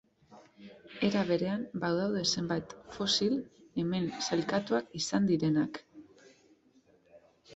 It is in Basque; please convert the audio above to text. Era berean badaude zenbait fosil hemen sailkatuak izan direnak.